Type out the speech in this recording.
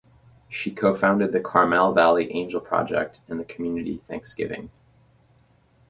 She cofounded the Carmel Valley Angel Project and the Community Thanksgiving.